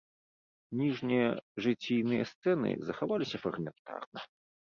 Ніжнія жыційныя сцэны захаваліся фрагментарна.